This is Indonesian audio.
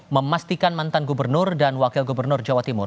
memastikan mantan gubernur dan wakil gubernur jawa timur